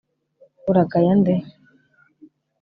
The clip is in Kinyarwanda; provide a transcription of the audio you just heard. uragaya nde